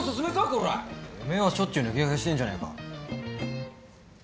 おめえはしょっちゅう抜け駆けしてんじゃねえか。